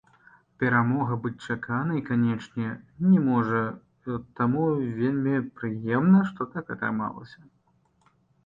Перамога быць чаканай, канечне, не можа, таму вельмі прыемна, што так атрымалася.